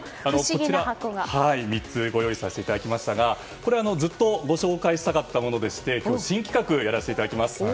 こちら３つご用意させていただきましたがこれはずっとご紹介させていただきたかったものでして新企画をやらせていただきます。